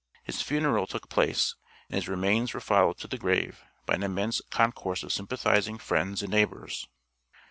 His funeral took place, and his remains were followed to the grave by an immense concourse of sympathizing friends and neighbors.